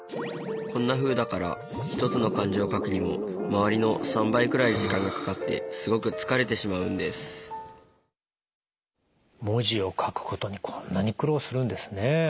こんなふうだから１つの漢字を書くにも周りの３倍くらい時間がかかってすごく疲れてしまうんです文字を書くことにこんなに苦労するんですね。